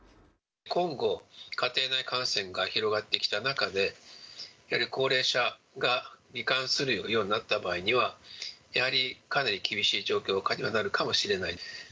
今後、家庭内感染が広がってきた中で、やはり高齢者がり患するようになった場合には、やはりかなり厳しい状況下にはなるかもしれないです。